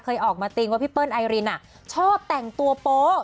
เคยออกมาติ้งว่าพี่เปิ้ลไอรินชอบแต่งตัวโป๊ะ